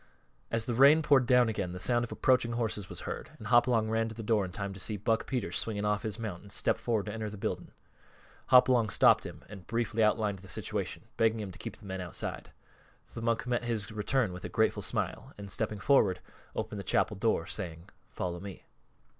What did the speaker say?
As the rain poured down again the sound of approaching horses was heard, and Hopalong ran to the door in time to see Buck Peters swing off his mount and step forward to enter the building. Hopalong stopped him and briefly outlined the situation, begging him to keep the men outside. The monk met his return with a grateful smile and, stepping forward, opened the chapel door, saying, "Follow me."